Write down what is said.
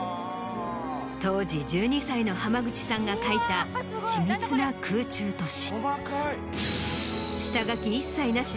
当時１２歳の濱口さんが描いた緻密な空中都市。